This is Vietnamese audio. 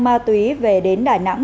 ma túy về đến đài nẵng